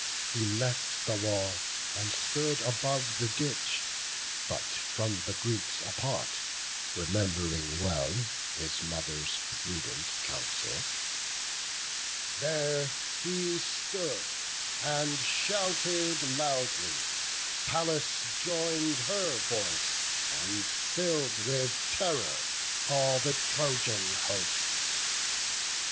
He left the wall, and stood above the ditch, But from the Greeks apart, rememb'ring well His mother's prudent counsel; there he stood, And shouted loudly; Pallas join'd her voice, And fill'd with terror all the Trojan host.